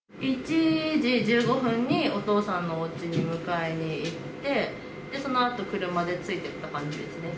１時１５分に、お父さんのおうちに迎えに行って、そのあと車でついていった感じですね。